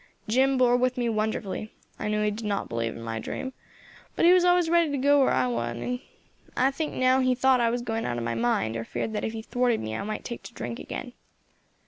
Jim bore with me wonderfully. I knew he did not believe in my dream, but he was always ready to go where I wanted. I think now he thought that I was going out of my mind, or feared that if he thwarted me I might take to drink again.